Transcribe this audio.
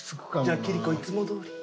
じゃあキリコいつもどおり。